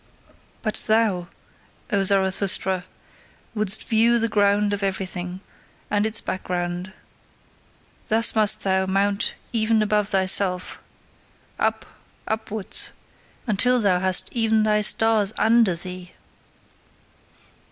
But thou, O Zarathustra, wouldst view the ground of everything, and its background: thus must thou mount even above thyself up, upwards, until thou hast even thy stars UNDER thee!